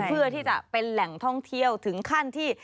เพื่อที่จะเป็นแหล่งท่องเที่ยวถึงขั้นที่